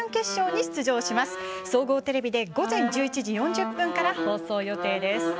総合テレビで午前１１時４０分から放送予定です。